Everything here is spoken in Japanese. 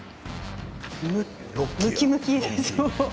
むきむきでしょ？